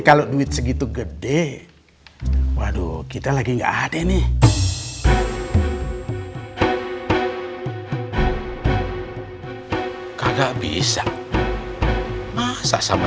kalau duit segitu gede waduh kita lagi enggak ada nih kagak bisa masak sama